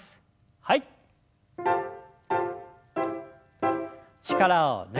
はい。